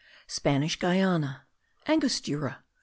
SPANISH GUIANA. ANGOSTURA.